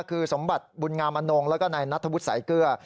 คือสมบัติบุญงามณงแล้วก็ในนัฐวุษย์สายเกลื้อ